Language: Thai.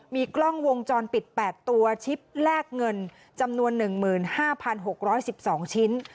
มีกล้องวงจรปิด๘ตัวชิปแลกเงินจำนวน๑๕๖๑๒ชิ้น